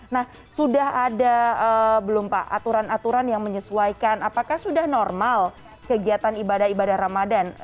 nah sudah ada belum pak aturan aturan yang menyesuaikan apakah sudah normal kegiatan ibadah ibadah ramadan